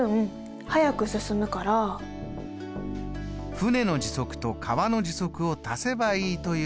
舟の時速と川の時速を足せばいいということ。